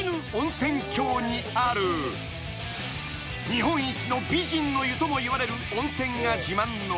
［日本一の美人の湯ともいわれる温泉が自慢の］